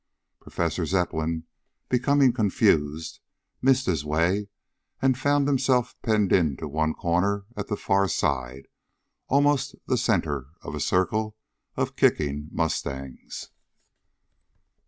Professor Zepplin, becoming confused, missed his way and found himself penned into one corner at the far side, almost the center of a circle of kicking mustangs.